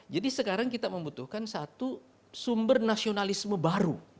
jadi sekarang kita membutuhkan satu sumber nasionalisme baru